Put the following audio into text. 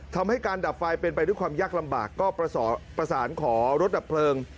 ทำให้การดับไฟเป็นไปด้วยความยากลำบากก็ประสานขอรถดับเพลิง